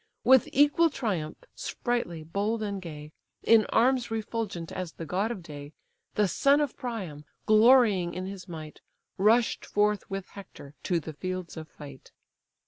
With equal triumph, sprightly, bold, and gay, In arms refulgent as the god of day, The son of Priam, glorying in his might, Rush'd forth with Hector to the fields of fight.